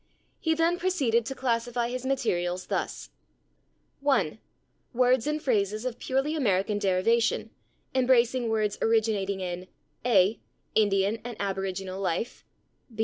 He then proceeded to classify his materials thus: 1. Words and phrases of purely American derivation, embracing words originating in: a. Indian and aboriginal life.